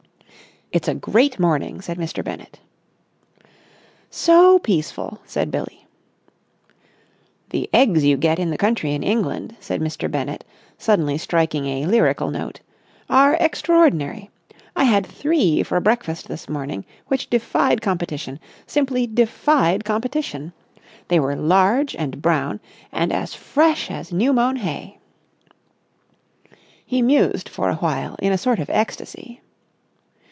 "It's a great morning," said Mr. Bennett. "So peaceful," said Billie. "The eggs you get in the country in England," said Mr. Bennett, suddenly striking a lyrical note, "are extraordinary. I had three for breakfast this morning which defied competition, simply defied competition. They were large and brown, and as fresh as new mown hay!" He mused for a while in a sort of ecstasy.